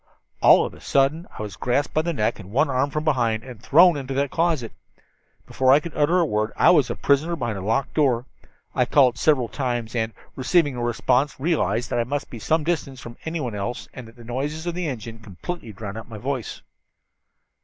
"All of a sudden I was grasped by the neck and one arm from behind, and thrown into that closet. Before I could utter a word I was a prisoner behind a locked door. I called several times, and, receiving no response, realized that I must be some distance from anyone else and that the noises of the engines completely drowned out my voice.